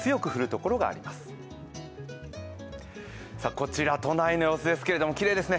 こちら、都内の様子ですけど、きれいですね。